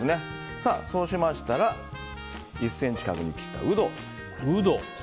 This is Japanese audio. そうしましたら１ｃｍ角に切ったウド。